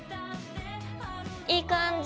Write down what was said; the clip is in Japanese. いい感じ。